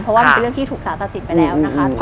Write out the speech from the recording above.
เพราะว่ามันเป็นเรื่องที่ถูกสารตัดสินไปแล้วนะคะ